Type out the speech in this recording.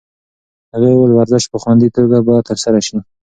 هغې وویل ورزش په خوندي توګه باید ترسره شي.